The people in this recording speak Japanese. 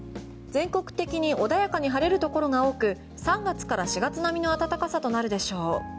全国的に穏やかに晴れるところが多く３月から４月並みの暖かさになるでしょう。